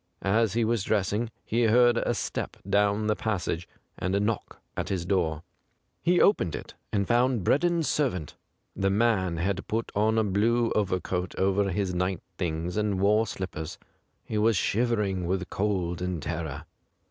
As he was dressing, he heard a step down the passage and a knock at his door. He opened it, and found Breddon's servant. The man had put on a blue overcoat over his night things, and wore slippers. He was shiver ing with cold and terror.